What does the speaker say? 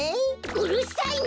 うるさいな！